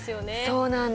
そうなんです。